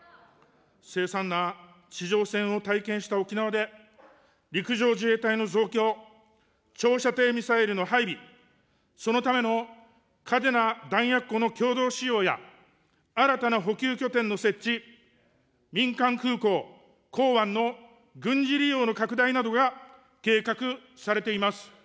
凄惨な地上戦を体験した沖縄で、陸上自衛隊の増強、長射程ミサイルの配備、そのための嘉手納弾薬庫の共同使用や、新たな補給拠点の設置、民間空港、港湾の軍事利用の拡大などが計画されています。